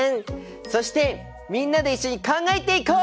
そしてみんなで一緒に考えていこう！